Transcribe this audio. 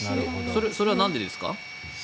それはなんでですか？